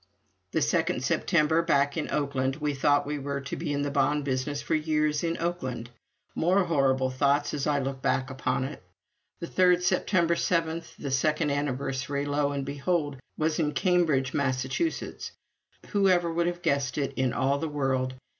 The second September, back in Oakland, we thought we were to be in the bond business for years in Oakland. More horrible thoughts as I look back upon it. The third September seventh, the second anniversary, lo and behold, was in Cambridge, Massachusetts! Whoever would have guessed it, in all the world?